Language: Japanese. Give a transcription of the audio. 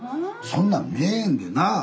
そんなん見えへんで。なあ？